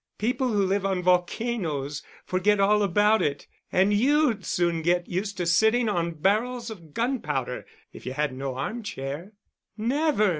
People who live on volcanoes forget all about it; and you'd soon get used to sitting on barrels of gunpowder if you had no armchair." "Never!"